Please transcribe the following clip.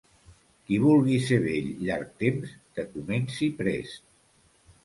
Qui vulgui ser vell llarg temps que comenci prest.